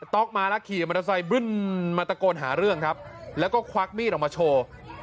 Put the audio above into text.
ต๊อกมาแล้วขี่มันจะใส่มันตะโกนหาเรื่องครับแล้วก็ควักมีดออกมาโชว์